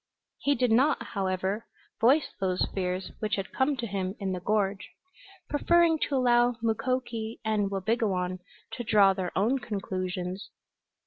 He did not, however, voice those fears which had come to him in the gorge, preferring to allow Mukoki and Wabigoon to draw their own conclusions.